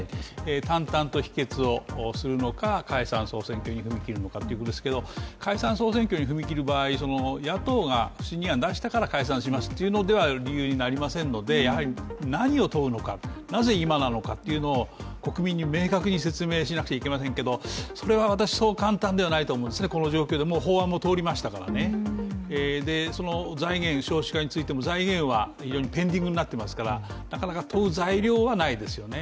淡淡と否決をするのか、解散総選挙に踏み切るのかということですが解散総選挙に踏み切る場合野党が不信任案を提出したから解散しますでは理由になりませんので、やはり何を問うのか、なぜ今なのかというのを国民に明確に説明しなければいけませんけどそれは私、そう簡単ではないと思うんですね、この状況で、もう法案は通りましたので、少子化についても財源はペンディングになっていますからなかなか材料はないですよね。